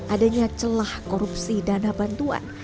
adanya celah korupsi dana bantuan